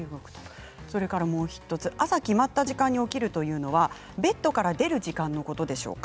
それから、朝決まった時間に起きるというのはベッドから出る時間のことでしょうか。